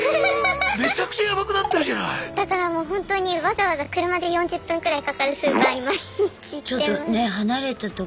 いやもうだからもうほんとにわざわざ車で４０分くらいかかるスーパーに毎日行ってます。